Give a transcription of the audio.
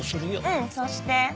うんそうして。